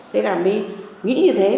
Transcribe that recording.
thế là mình nghĩ như thế